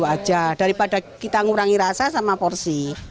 aja daripada kita ngurangi rasa sama porsi